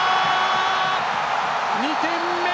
２点目！